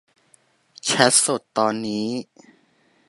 แชตสดตอนนี้